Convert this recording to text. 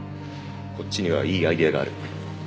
こっちにはいいアイデアがある。